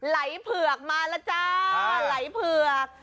ไหลเผือกมาแล้วจ้าไหลเผือก